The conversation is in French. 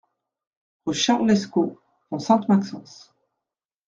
Rue Charles Lescot, Pont-Sainte-Maxence